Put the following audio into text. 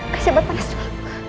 kasih obat panas dulu